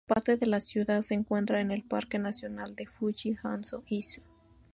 Parte de la ciudad se encuentra en el Parque nacional de Fuji-Hakone-Izu.